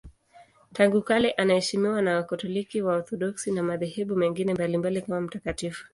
Tangu kale anaheshimiwa na Wakatoliki, Waorthodoksi na madhehebu mengine mbalimbali kama mtakatifu.